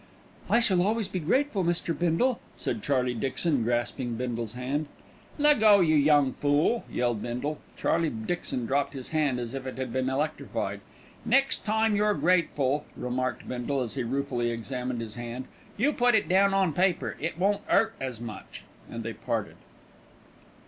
"I shall always be grateful, Mr. Bindle," said Charlie Dixon, grasping Bindle's hand. "Leggo, you young fool," yelled Bindle. Charlie Dixon dropped his hand as if it had been electrified. "Next time you're grateful," remarked Bindle, as he ruefully examined his hand, "you put it down on paper; it won't 'urt so much." And they parted.